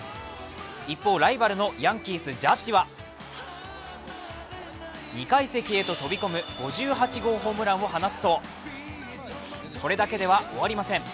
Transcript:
一方、ライバルのヤンキース・ジャッジは、２階席へと飛び込む５８号ホームランを放つと、これだけでは終わりません。